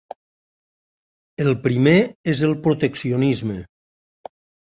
El primer és el proteccionisme.